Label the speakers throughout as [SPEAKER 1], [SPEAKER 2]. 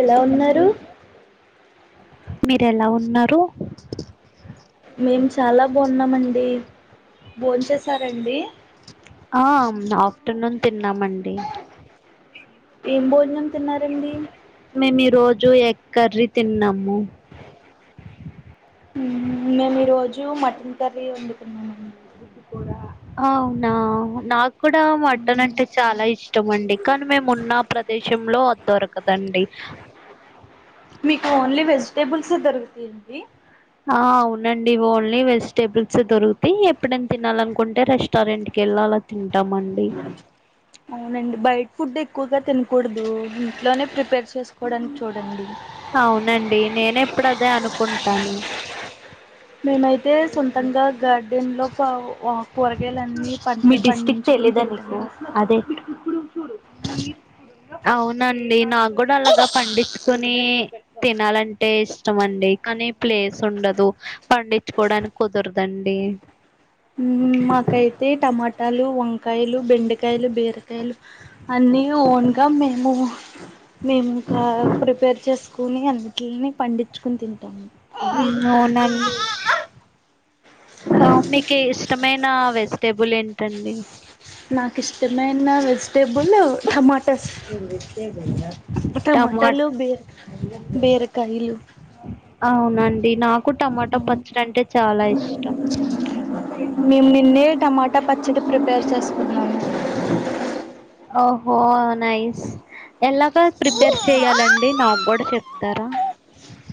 [SPEAKER 1] ఎలా ఉన్నారు
[SPEAKER 2] మీరు ఎలా ఉన్నారు
[SPEAKER 1] మేము చాలా బాగున్నామండి బోన్చేశారా అండి
[SPEAKER 2] ఆ ఆఫ్టర్నూన్ తిన్నామండి
[SPEAKER 1] ఏం బోజనం తిన్నారు అండి
[SPEAKER 2] మేము ఈ రోజు ఎగ్ కర్రీ తిన్నాము
[SPEAKER 1] ఉమ్ మేము ఈ రోజు మటన్ కర్రీ వండుకున్నామండి
[SPEAKER 2] అవునా నా కూడా మటన్ అంటే చాలా ఇష్టం అండి కానీ మేము ఉన్న ప్రదేశంలో అది దొరకదండి
[SPEAKER 1] టేబుల్స్ ఏ దొరుకుతాయి అండి
[SPEAKER 2] అవునండి ఓన్లీ వెజిటేబుల్స్ ఏ దొరుతాయి ఎప్పుడైనా తినాలనుకుంటే రెస్టారెంట్ కి వెళ్ళి అలా తింట
[SPEAKER 1] అవునండి బయట ఫుడ్ ఎక్కువగా తినకూడదు ఇంట్లోనే ప్రిపేర్ చేకోవడానికి చూడండి
[SPEAKER 2] అవునండి నేను ఎప్పుడు అదే అనుకుంటాను
[SPEAKER 1] మేమైతే సొంతంగా గార్డెన్ లో కూరగాయలున్ని పంటలు పండించు
[SPEAKER 2] దానీకు అదే అవునండి నాకు కూడా అలాగ పండించుకుని తినాలంటే ఇష్టం అండి కానీ ప్లేస్ ఉండదు పండించుకోడానికి కుదరదు అండి
[SPEAKER 1] ఉమ్ మాకైతే టమాటాలు వంకాయలు బెండకాయలు బీరకాయలు అన్నీ ఓన్గా మేము మేముంకా ప్రిపేర్ చేసుకుని అన్నింటిని పండించుకుని తింటము
[SPEAKER 2] అవునా మీకు ఇష్టమైన వెజిటేబుల్ ఏంటి టండి
[SPEAKER 1] నాకు ఇష్టమైన వెజిటేబుల్ టమాట స్
[SPEAKER 2] టమా
[SPEAKER 1] టమాటాలు బీర బీరకాయలు
[SPEAKER 2] అవునండి నా నాకు టమాటా పచ్చడి అంటే చాలా ఇష్టం
[SPEAKER 1] మేము నిన్నే టమాటా పచ్చడి ప్రిపేర్ చేసుకున్నాను
[SPEAKER 2] ఓహో నైస్ ఎలాగ ప్రిపేర్ చెయాలండి నాకు కూడా చెప్తారా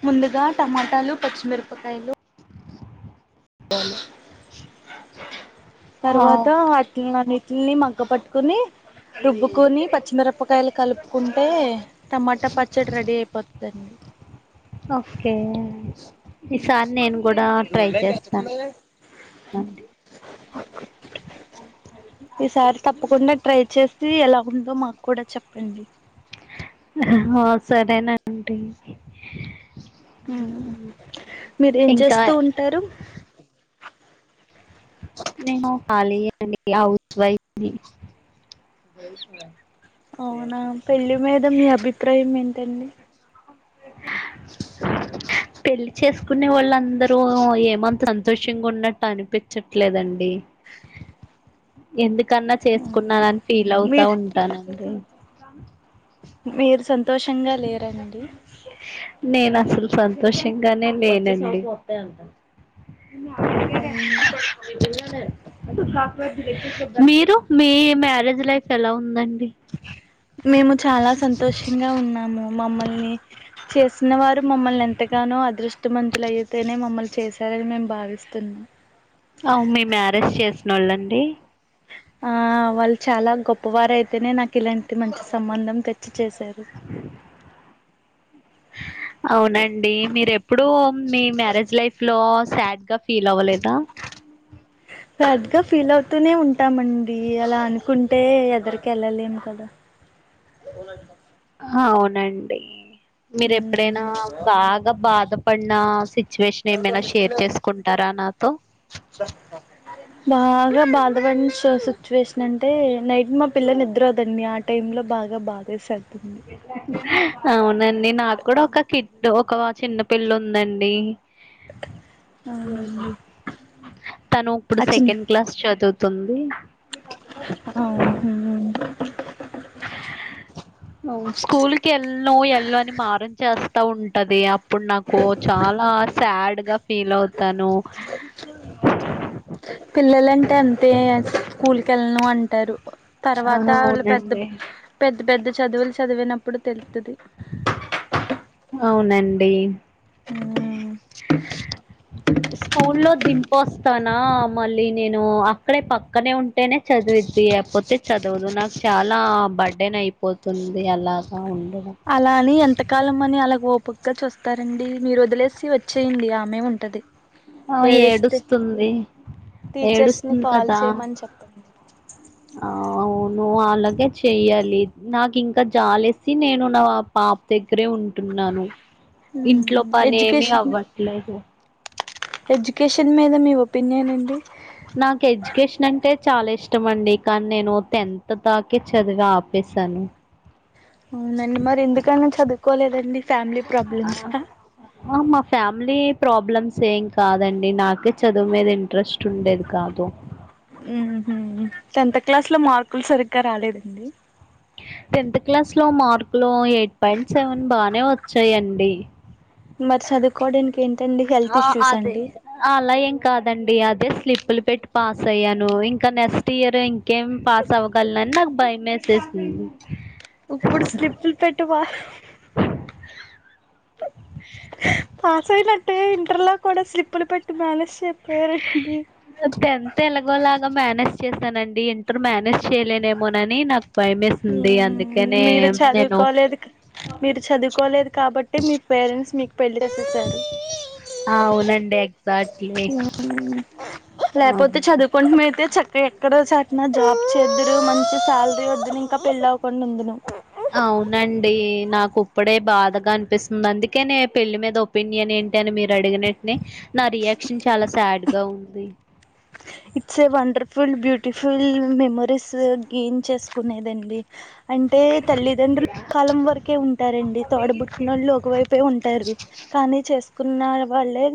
[SPEAKER 1] ముందుగా టమాటాలు పచ్చిమిరపకాయలు బను
[SPEAKER 2] ఆ,
[SPEAKER 1] తర్వాత అట్లా అన్నీ ని మక్క పట్టుకుని రుబ్బుకొని పచ్చిమిరపకాయలు కలుపుకుంటే టమాటా పచ్చడి రెడీ అయిపోతదండి
[SPEAKER 2] ఓకే ఈసారి నేను కూడా ట్రై చేస్తాను
[SPEAKER 1] ఈసారి తప్పకుండా ట్రై చేసి ఎలా ఉందో మాక్కుడా చెప్పండి
[SPEAKER 2] ఆ సరేనండి
[SPEAKER 1] మీరు ఏం
[SPEAKER 2] ఇంకా
[SPEAKER 1] చేస్తూ ఉంటారు
[SPEAKER 2] నేను కాళియేనండి హౌస్ వైఫ్ని
[SPEAKER 1] అవునా పెళ్ళి మీద మీ అభిప్రాయం ఎ టండి
[SPEAKER 2] పెళ్లి చేసుకునే వొళ్ళు అందరూ ఏమంత సంతోషంగా ఉన్నట్టు అనిపిచ్చట్లేదండి ఎందు కన్నా చేసుకున్నానని ఫీల్ అవుతా
[SPEAKER 1] మీరు
[SPEAKER 2] ఉంటాను అండి
[SPEAKER 1] మీరు సం తోషంగా లేరండి
[SPEAKER 2] నేను అసలు సంతోషంగానే లేనండి
[SPEAKER 1] అవునా
[SPEAKER 2] మీరు మీ మ్యారేజ్ లైఫ్ ఎలా ఉందన్
[SPEAKER 1] మేము చాలా సంతోషంగా ఉ న్నాము మమ్మల్ని చేసిన వారు మమ్మల్ని ఎంతగానో అదృ మంతులు అయితేనే మమ్మల్ చేస్ సరే మేము భావిస్తు
[SPEAKER 2] డి
[SPEAKER 1] ఆ వాళ్ళు చాలా గొప్పవార అయితేనే నాకు ఇలాంటి మంచి సంబంధం తెచ్చి చేశారు
[SPEAKER 2] అవునండి మీరు ఎప్పుడూ మీ మ్యారేజ్ లైఫ్ లో సాడ్ గా ఫీల్ అవ్వలే
[SPEAKER 1] సాడ్ గా ఫీల్ అవుతూనే ఉన్ టామండి అలా అనుకుంటే ఎదరికి ఎళ్ళలేం కదా
[SPEAKER 2] అవునండి మీర ఎప్పుడైనా బాగా బాధ పన్నా సిచ్ చ్యువేషన్ ఏమైనా షేర్ చేసుకుంటారా నా తో
[SPEAKER 1] బాగా బాధపన్న సిచ్యువేషన్ అం టే నైట్ మా పిల్ల నిద్రోదండి ఆ టైం లో బాగా బాధేసా
[SPEAKER 2] అవునండి నాకు కూడా ఒక కి డ్ ఒక చిన్న పిల్ల ఉందండి
[SPEAKER 1] అవునండి
[SPEAKER 2] తను ఇప్పుడు సెకండ్ క్లాస్ చదువుత్ తుంది
[SPEAKER 1] అవును
[SPEAKER 2] స్కూల్ ట ఉంటది అప్ ప్పుడు నాకు చాలా స్యడ్ గా ఫీల్ అవుతాను
[SPEAKER 1] పిల్లలంటే అంతే స్కూకి వెళ్ళలను అంటారు
[SPEAKER 2] ఆ,
[SPEAKER 1] తర్వాత వాళ్ళు పెద్ద
[SPEAKER 2] అవునండి
[SPEAKER 1] పెద్ద పెద్ద చదువులు చదివినప్పుడు తెలుత్తది
[SPEAKER 2] అవునండి స్కూల్ లో దింపొస్తాను ఆ మళ్ళీ నేను అక్కడే పక్కనే ఉంటేనే చదివిద్ది లేకపోతే చదువదు నాకు చాలా బర్డేన్ అయిపోతుంది అలాగా ఉ
[SPEAKER 1] అలా అని ఎంతకాలం అని అలా ఓపిగా చూస్తారండి మీరు వదిలేసి వచ్చేయండి ఆమె ఉంటది
[SPEAKER 2] ఆ
[SPEAKER 1] ఏడిస్తే
[SPEAKER 2] ఏడుస్తుంది
[SPEAKER 1] టీచర్స్ ని
[SPEAKER 2] ఏడుస్తుంది
[SPEAKER 1] కాల్
[SPEAKER 2] కదా
[SPEAKER 1] చేయమని చెప్పండి
[SPEAKER 2] అవును అలాగే చెయ్యాలి నాకు ఇంకా జాలేసి నేను నా పాప దగ్గరే ఉంటున్నాను ఇంట్లో పని ఏమి
[SPEAKER 1] ఎడ్యుకేషన్
[SPEAKER 2] అవ్వట్లేదు
[SPEAKER 1] ఎడ్యుకేషన్ మీద మీ ఒపీనియన్ అండి
[SPEAKER 2] నాకు ఎడ్యుకేషన్ అంటే చాలా ఇష్టం అండి కానీ నేను టెన్త్ తాక చదిగా ఆపేశాను
[SPEAKER 1] అవునండి మరి ఎందుకన్నా చదువుకోలేదండి ఫ్యామిలీ ప్రాబ్లమ్స్
[SPEAKER 2] ఆ మా ఫ్యామిలీ ప్రాబ్లమ్స్ ఏం కాదండి నాకే చదువు మీద ఇంట్రెస్ట్ ఉండేది కాదు
[SPEAKER 1] హ్మ్ హు టెన్త్ క్లాస్ లో మార్కులు సరిగ్గా రాలేదండి
[SPEAKER 2] టెన్త్ క్లాస్ లో మార్కులు ఎయిట్ పాయింట్ సెవెన్ బానే వచ్చాయంండి
[SPEAKER 1] మరి చదువు కోడన్ ఎన్
[SPEAKER 2] ఆ అదే అలా ఎమ్ కాదండి అదే స్లిప్పులు పెట్టి పాస్ అయ్యాను ఇంకా నెక్స్ట్ ఇయర్ ఇంకేం పాస్ అవ్వగలలను అని నాకు భయం వేసేసింది
[SPEAKER 1] ఇప్పుడు స్లిప్లు పెట్టువా పాసైనన్ టే ఇంటర్లో కూడా స్లిప్పులు పెట్టి మేనేజ్ చె
[SPEAKER 2] అ టెన్త్ ఎలాగోలాగా మేనేస్ చేస్తానండీ ఇంటర్ మేనేజ్ చేయలేనేమోనని నాకు భయమేసింది అందుకనే
[SPEAKER 1] మీరు
[SPEAKER 2] నేను
[SPEAKER 1] చదువుకోలేదు మీరు చదువుకోలేదు కాబట్టి మీ పేరెంట్స్ మీకు పెళ్లి చేసేసారు
[SPEAKER 2] అవునండి సాట్ మే
[SPEAKER 1] లేకపోతే చదువుకుంట అయితే చ ఇ ఎక్కడ సట్ జాబ్ చేద్దుడు మంచి సాలరీ వద్దును ఇంకా పెళ్ళి అవ్వకుండా ఉను
[SPEAKER 2] అవునండి నాకు ఇప్పుడే బాధగా అనిపిస్తుంది అందుకేనే పెళ్ళి మీద ఒపీనియన్ ఏంటి అని మీరు అడిగినట్నె నా రియాక్షన్ చాలా సాడ్గా ఉంది
[SPEAKER 1] it's a wonderful beautiful memories గెన్ చేసుకునేదండి అంటే తల్లిదండ్రల్ు కాలం వరకే ఉంటారండి తోడబుట్టిన వాళ్ళు ఒకవైపే ఉంటారు కానీ చే కున్న వాళ్ళే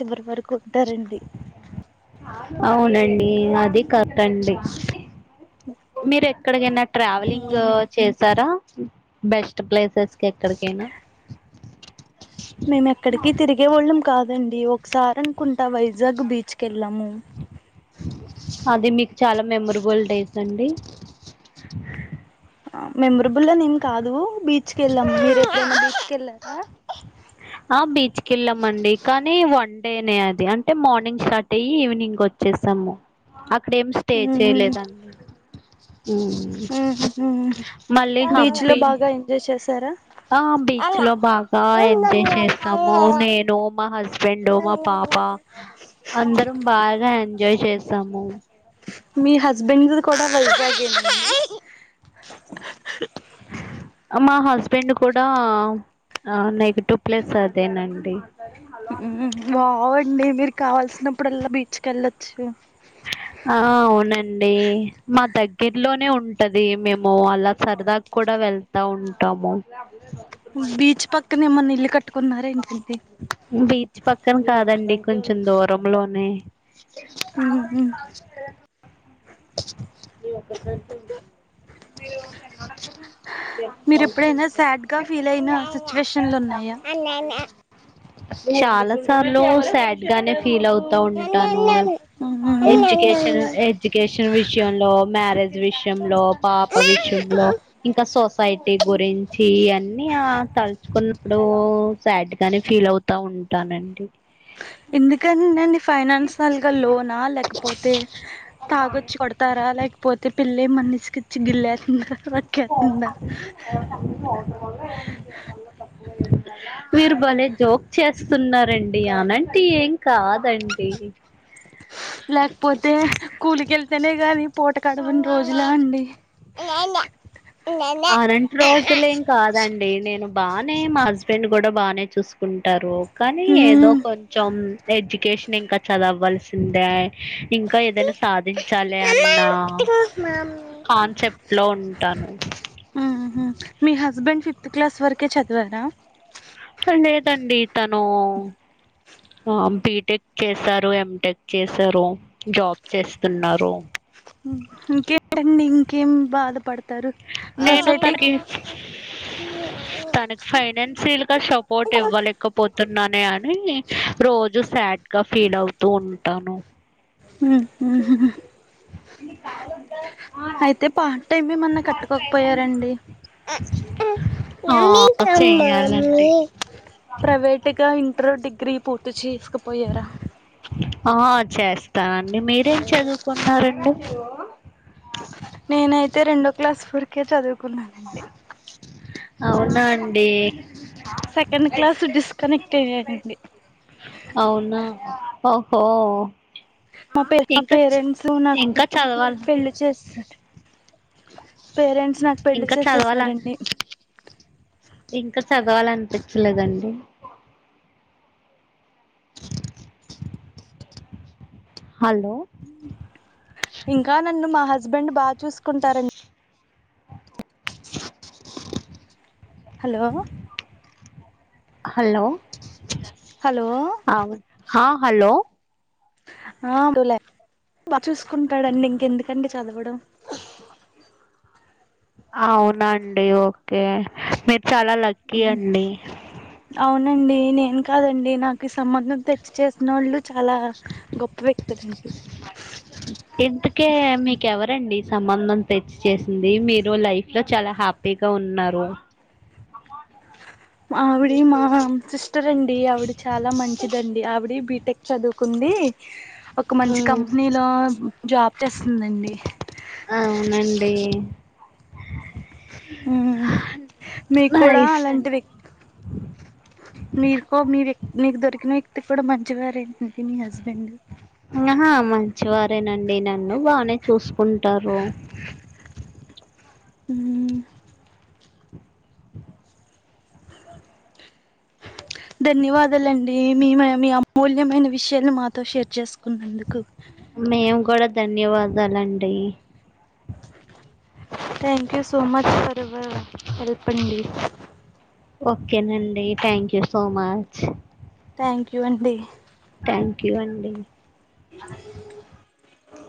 [SPEAKER 1] చివరి వరకు ఉంటారండి
[SPEAKER 2] అవునండి అది కతండి మీరు ఎక్కడికైనా ట్రావెలింగ్
[SPEAKER 1] ఉమ్
[SPEAKER 2] చేసారా బెస్ట్ ప్లేసెస్ కెక్కడికైనా
[SPEAKER 1] మేము ఎక్కడికి తిరిగేవోళ్ళం కాదండి సారన్ కుంటా వైజగ్ బీచ్ కే
[SPEAKER 2] అది మీక్ చాలా మెమరబుల్ డేస్ అండి
[SPEAKER 1] మెమరబుల్ అన్ కాదూ బీచ్కెళ్ళాం మీరే బచ్కెళ్
[SPEAKER 2] ఆ బీచ్ కెళ్ళాం అండి కానీ వన్ డేనే అది అంటే మార్నింగ్ స్టార్ట్ అయి ఈవినింగ్ ఒచ్చేసాము అక్కడ ఏమి స్టే చేయలేదం మళ్ళీ
[SPEAKER 1] బీచ్ లో
[SPEAKER 2] హంపి
[SPEAKER 1] బాగా ఎంజాయ్ చేసారా
[SPEAKER 2] ఆ బీచ్ లో బాగా ఎంజాయ్ చేస్సాము నేను మా హస్బెండ్ మా పాప అందరం బాగా ఎం ఎంజాయ్ చేస్తాము
[SPEAKER 1] మీ హస్బెండ్ కూడా వైజాగ్ ఎ నా
[SPEAKER 2] మా హస్బెండ్ కూడా నెగటివ్ ప్లేస్ అదేనండి
[SPEAKER 1] బాగుండి మీర్ కావల్సిన్ ప్పుడలా బీచ్కెళ్ళొచ్చు
[SPEAKER 2] ఆ అవునండి మా దగ్గర్లోనే ఉంటది మేము అలా సరదాక్కూడా వెళ్తా ఉంటాము
[SPEAKER 1] బీచ్ పక్కనే ఎమన్న ఇల్లు కట్టుకున్నార ఏంటి అండి
[SPEAKER 2] బీచ్ పక్కన కాదండి కొంచెం దూరంలోనే
[SPEAKER 1] మ్ మ్
[SPEAKER 2] ఆ [inaudible]
[SPEAKER 1] మీరు ఎప్పుడైనా సాడ్ గా ఫీల్ అయిన సిచ్యువేషన్లు ఉన్నాయా
[SPEAKER 2] చాలా సార్లు సాడ్ గానే ఫీల్ అవుతా ఉంటాను ఎడ్యుకేషన్ ఎడ్యుకేషన్ విషయంలో మ్యారేజ్ విషయంలో పాప విషయంలో ఇంకా సోస్ సైటీ గురించి అన్నీ ఆ తలుచుకున్నప్పుడు సాడ్ గానే ఫీల్ అవుతా ఉంటానండి
[SPEAKER 1] ఎందుకని నండి ఫైనాన్స్ నల్ గా లోనా లేకపోతే తాగొచ్చి కొడతారా లేకపోతే పిల్లి మనిషికిచ్చి గిల్లేసింది [unintelligible] చెత్తున్నవ్
[SPEAKER 2] స్తున్నారండి అలాంటి ఏం కాదండి
[SPEAKER 1] లేకపోతే కూలి కేళ్తేనే గానీ పూటక్ కడవని రోజులా అండి
[SPEAKER 2] ఆరంట్ రోజులేం కాదండి నేను బానే మా హస్బెండ్ కూడా బానే చూసుకుంటారు. కానీ ఏదో కొంచెం ఎడ్యుకేషన్ ఇంకా చదవల్సి సిందయే ఇంకా ఏదైనా సాధించాలి అన్న కాన్సెప్ట్ లో ఉంటాను.
[SPEAKER 1] ఉహు మీ హస్బెండ్ ఫిఫ్త్ క్లాస్ వరకే చదివారా?
[SPEAKER 2] అట్లా లేదండి తను ఆ బిటెక్ చేశారు, ఎంటెక్ చేశారు, జాబ్ చేస్తున్నారు.
[SPEAKER 1] ఉమ్ ఉ ఇంకేంటండి ఇంకేం బాధ పడత్
[SPEAKER 2] నేను తనకి తనకి ఫైనాన్సియల్ గా సపోర్ట్ ఇవ్వలేకపోతున్ న్నానే అని రోజు సాడ్ గా ఫీల్ అవుతూ ఉంటాను.
[SPEAKER 1] ఉమ్ ఉహు అయితే పార్ట్ టైమ్ ఏమన్నా కట్టుకోకపోయారండి
[SPEAKER 2] ఆ చెయ్యాలండి
[SPEAKER 1] ప్రైవేట్గా ఇన్ టర్ డిగ్రీ పూర్తి చేసుకుపోయారా
[SPEAKER 2] ఆ చేస్తానండి. మీరేం చదువుకున్నారండి?
[SPEAKER 1] నేనైతే రెండో క్లాస్ ఉరికే చదువు కున్నానండి.
[SPEAKER 2] అవునా అండి.
[SPEAKER 1] సెకండ్ క్లాస్ డిస్కనెక్ట్ అయ్యానండి.
[SPEAKER 2] అవునా ఓహో
[SPEAKER 1] మా పే మా
[SPEAKER 2] ఇంకా
[SPEAKER 1] పేరెంట్స్ నాకు పె
[SPEAKER 2] ఇంకా చదవాలి
[SPEAKER 1] పెళ్లి చేసారు. పేరెంట్స్ నాకు పెళ్లి
[SPEAKER 2] ఇంకా చదవాల
[SPEAKER 1] చేసేసారండి.
[SPEAKER 2] ఇంకా చదవాల అనిపిచ్చలేదండి. హలో
[SPEAKER 1] ఇంకా నన్ను మాహ హస్బెండ్ బాగా చూసుకుంటారండి హలో
[SPEAKER 2] హలో
[SPEAKER 1] హలో
[SPEAKER 2] అవు హలో
[SPEAKER 1] ఆ అలే చూసుకుంటాడంండి ఇంకెందుకండి చదవడం
[SPEAKER 2] అవునండి ఓకే మీరు చాలా లక్కీ అండి
[SPEAKER 1] నండి నేను కాదండి నాకు ఈ సంబంధం తెచ్చి చేసిన వాళ్ళు చాలా గొప్ప వ్యక్తులుంటి
[SPEAKER 2] ఇంతకే మీకెవరండి సంబంధం తెచ్చి చేేసింది మీరు లైఫ్ లో చాలా హ్యాపీగా ఉన్నారు
[SPEAKER 1] ఆవిడ మా సిస్టర్ అండి ఆవిడ చాలా మంచిదండి ఆవిడ బీటెక్ చదువుకుంది ఒక మంచి
[SPEAKER 2] ఉమ్
[SPEAKER 1] కంపెనీలో జాబ్ చేస్తుందిండి
[SPEAKER 2] అవునండి
[SPEAKER 1] ఉ మీక్కూడా
[SPEAKER 2] నైస్
[SPEAKER 1] అలాంటి
[SPEAKER 2] అండి
[SPEAKER 1] వ్యక్ మీరుకో మీ వ్యక్తి నీకు దొరికిన వ్యక్తికి కూడా మంచివారేంటిది మీ హస్బెండ్
[SPEAKER 2] ఆహా మంచివారేనండి నన్ను బానే చూసుకుంటారు
[SPEAKER 1] ఆ ధన్యవాదాలండి మీ మీ అమూల్యమైన విషయాను మాతో షేర్ చేసుకున్నందుకు
[SPEAKER 2] మేము కూడా ధన్యవాదాలండి
[SPEAKER 1] thank you so much for ever help అండి
[SPEAKER 2] ఓకేనండి thank you so much
[SPEAKER 1] thank you అండి
[SPEAKER 2] థ్యాంక్ యూ అండి
[SPEAKER 1] అ